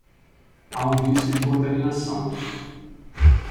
Há um risco de contaminação